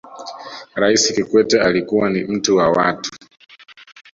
raisi kikwete alikuwa ni mtu wa watu